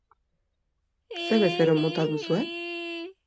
Ze bezero mota duzue?